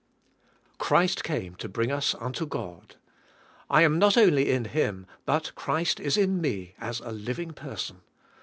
Christ came to bring us unto God. I am not only in Him but Christ is in me as a living person.